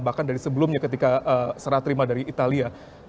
bahkan dari sebelumnya ketika serah terima dari italia